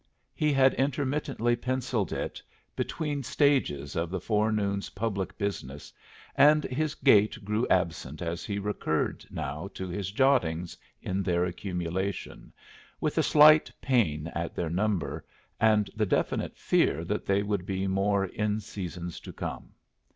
He had intermittently pencilled it between stages of the forenoon's public business, and his gait grew absent as he recurred now to his jottings in their accumulation, with a slight pain at their number, and the definite fear that they would be more in seasons to come.